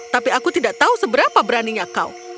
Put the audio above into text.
tapi aku tidak tahu seberapa beraninya kau